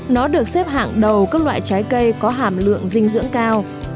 nó được xếp hạng đầu các loại trái cây có hàm lượng dinh dưỡng cao